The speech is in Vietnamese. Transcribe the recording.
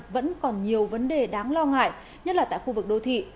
vẫn còn nhiều vấn đề đáng lo ngại nhất là tại khu vực đô thị